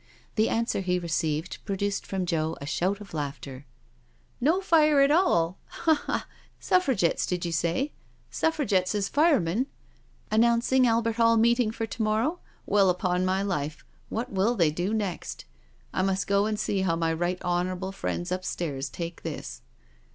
The answer he received produced from Joe a shout of laughter. I "No fire at all. •.• Ha, ha I Suffragettes did you say? — Suffragettes as firemen I Announcing Albert Hall meeting for to morrow? Well, upon my life, what will they do next I I must go and see how my right honourable friends upstairs take this."